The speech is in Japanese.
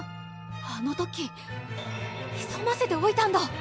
あの時ひそませておいたんだ